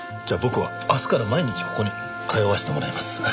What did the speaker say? じゃあ僕は明日から毎日ここに通わせてもらいます。